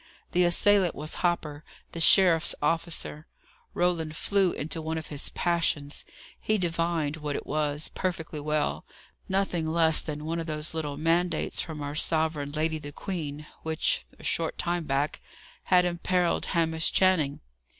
The assailant was Hopper, the sheriff's officer. Roland flew into one of his passions. He divined what it was, perfectly well: nothing less than one of those little mandates from our Sovereign Lady the Queen, which, a short time back, had imperilled Hamish Channing.